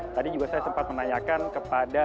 tadi juga saya sempat menanyakan kepada